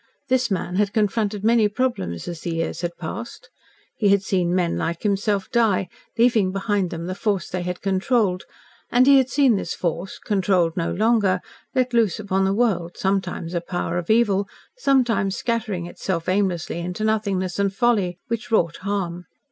This man had confronted many problems as the years had passed. He had seen men like himself die, leaving behind them the force they had controlled, and he had seen this force controlled no longer let loose upon the world, sometimes a power of evil, sometimes scattering itself aimlessly into nothingness and folly, which wrought harm.